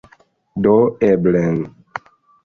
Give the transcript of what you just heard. Do eble...